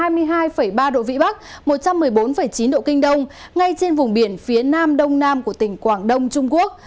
vị trí tâm báo số ba ở vào khoảng hai mươi hai ba độ vị bắc một trăm một mươi bốn chín độ kinh đông ngay trên vùng biển phía nam đông nam của tỉnh quảng đông trung quốc